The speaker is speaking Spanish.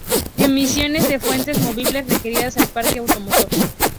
Emisiones de fuentes móviles referidas al parque automotor.